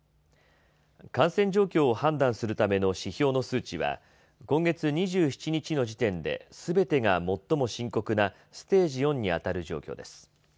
感染状況を判断するための指標の数値は今月２７日の時点ですべてが最も深刻なステージ４にあたる状況です。